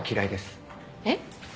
えっ？